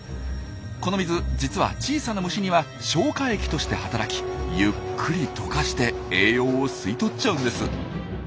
この水実は小さな虫には消化液として働きゆっくり溶かして栄養を吸い取っちゃうんです。